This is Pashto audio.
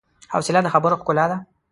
حوصله د خبرو ښکلا ده.